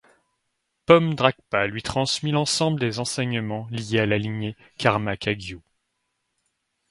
Pomdrakpa lui transmit l’ensemble des enseignements liés à la lignée karma-kagyu.